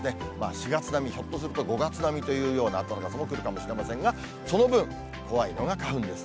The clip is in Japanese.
４月並み、ひょっとすると５月並みというような暖かさになるかもしれませんが、その分、怖いのが花粉です。